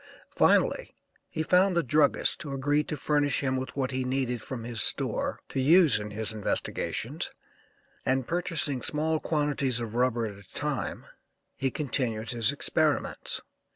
Finally he found a druggist who agreed to furnish him what he needed from his store to use in his investigations and purchasing small quantities of rubber at a time he continued his experiments.